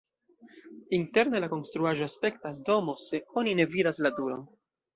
Interne la konstruaĵo aspektas domo, se oni ne vidas la turon.